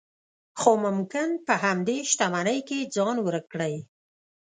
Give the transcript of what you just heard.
خو ممکن په همدې شتمنۍ کې ځان ورک کړئ.